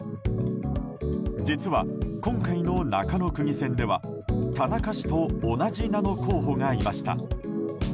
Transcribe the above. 実は、今回の中野区議選では田中氏と同じ名の候補がいました。